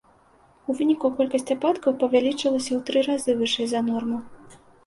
У выніку колькасць ападкаў павялічылася ў тры разы вышэй за норму.